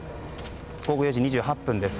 午後４時２８分です。